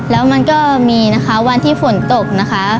แล้วมันก็มีนะคะวันที่ฝนตกนะคะ